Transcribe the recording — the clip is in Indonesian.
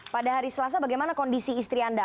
pada hari selasa bagaimana kondisi istri anda